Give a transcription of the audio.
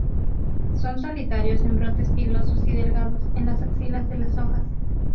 Son solitarios en brotes pilosos y delgados, en las axilas de las hojas.